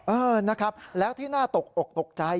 เออนะครับแล้วที่น่าตกอกตกใจ